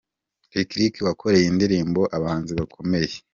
Lick Lick wakoreye indirimbo abahanzi bakomeye.